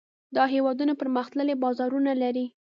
دا هېوادونه پرمختللي بازارونه لري.